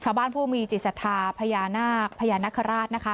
ชาวบ้านผู้มีจิตสัทธาพญานาคพญานคราชนะคะ